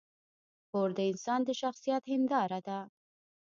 کور د انسان د شخصیت هنداره ده.